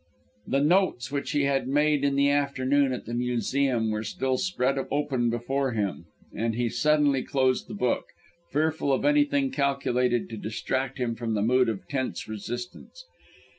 The notes which he had made in the afternoon at the Museum, were still spread open before him, and he suddenly closed the book, fearful of anything calculated to distract him from the mood of tense resistance.